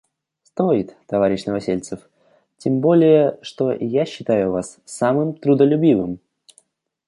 Стоит, товарищ Новосельцев, тем более, что я считаю Вас самым трудолюбивым.